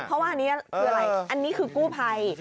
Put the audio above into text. เพราะว่าอันนี้คืออะไรอันนี้คือกู้ภัย